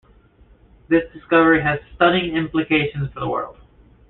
This discovery has stunning implications for the world.